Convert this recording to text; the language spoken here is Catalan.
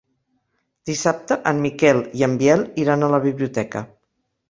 Dissabte en Miquel i en Biel iran a la biblioteca.